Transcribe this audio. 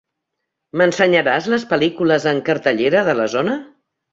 M'ensenyaràs les pel·lícules en cartellera de la zona?